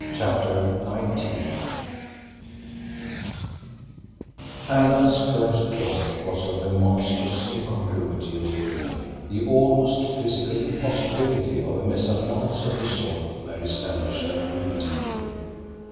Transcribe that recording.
_" CHAPTER XIX Alan's first thought was of the monstrous incongruity of the thing, the almost physical impossibility of a mésalliance of the sort Mary Standish had revealed to him.